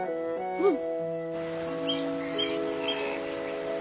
うん。